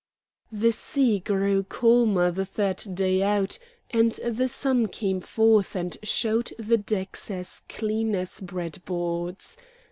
The sea grew calmer the third day out, and the sun came forth and showed the decks as clean as bread boards.